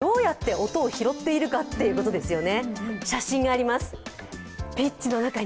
どうやって音を拾っているかということですよね。